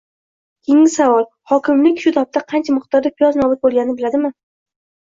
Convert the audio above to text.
Keyingi savol: hokimlik shu topda qancha miqdorda piyoz nobud bo‘lganini biladimi?